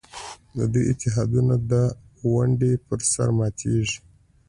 د دوی اتحادونه د ونډې پر سر ماتېږي.